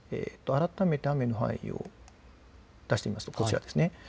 改めて雨の範囲を出してみますとこちらです。